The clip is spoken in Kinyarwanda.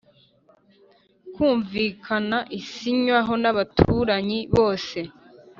kumvikana isinywaho n ababuranyi bose